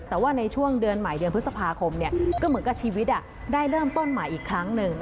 แต่ว่าในช่วงเดือนใหม่เดือนพฤษภาคมก็เหมือนกับชีวิตได้เริ่มต้นใหม่อีกครั้งหนึ่ง